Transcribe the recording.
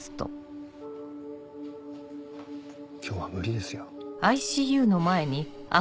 今日は無理ですよ。